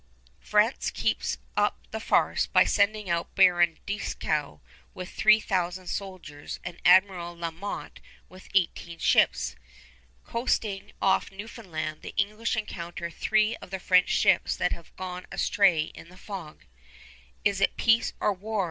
France keeps up the farce by sending out Baron Dieskau with three thousand soldiers and Admiral La Motte with eighteen ships. Coasting off Newfoundland, the English encounter three of the French ships that have gone astray in the fog. "Is it peace or war?"